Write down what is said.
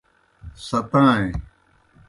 ستائیں۔